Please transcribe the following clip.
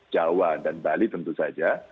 jawa dan bali tentu saja